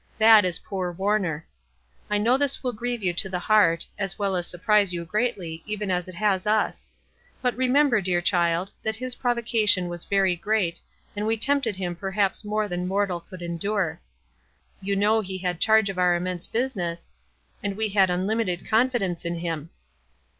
That is poor Warner. I know this will grieve you to the heart, as well as surprise you greatly, even as it has us. But, remember, dear child, that his provocation was very great, and we tempted him perhaps more than mortal could endure. You know he had charge of our immense business, and we had unlimited confi dence in him.